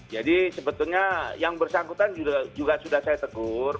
jadi sebetulnya yang bersangkutan juga sudah saya tegur